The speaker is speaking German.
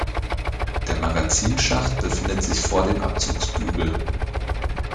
Der Magazinschacht befindet sich vor dem Abzugsbügel.